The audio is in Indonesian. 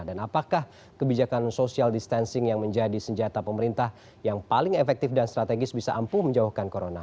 dan apakah kebijakan social distancing yang menjadi senjata pemerintah yang paling efektif dan strategis bisa ampuh menjauhkan corona